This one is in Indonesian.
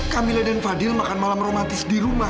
kamila dan fadil makan malam romantis di rumah